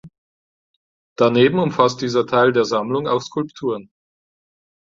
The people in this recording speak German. Daneben umfasst dieser Teil der Sammlung auch Skulpturen.